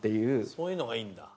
そういうのがいいんだ。